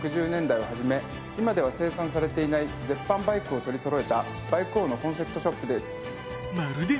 今では生産されていない絶版バイクを取りそろえたバイク王のコンセプトショップです。